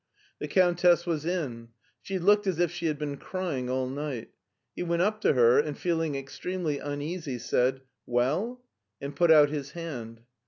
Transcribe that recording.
The Countess was in. She looked as if she had been crying all night. He went up to her and, feeling ex tremely uneasy, said, Well ?*' and put out his hand.